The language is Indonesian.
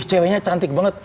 ih ceweknya cantik banget